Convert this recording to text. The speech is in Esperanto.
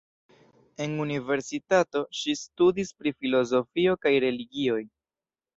En universitato ŝi studis pri filozofio kaj religioj.